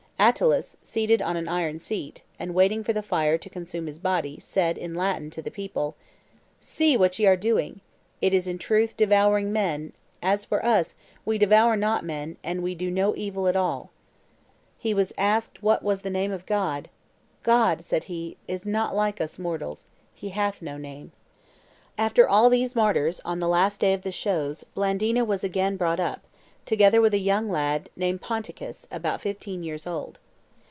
Attalus, seated on an iron seat, and waiting for the fire to consume his body, said, in Latin, to the people, 'See what ye are doing; it is in truth devouring men; as for us, we devour not men, and we do no evil at all.' He was asked what was the name of God: 'God,' said he, 'is not like us mortals; He hath no name.' "After all these martyrs, on the last day of the shows, Blandina was again brought up, together with a young lad, named Ponticus, about fifteen years old.